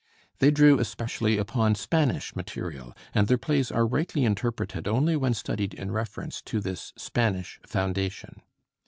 They drew especially upon Spanish material, and their plays are rightly interpreted only when studied in reference to this Spanish foundation.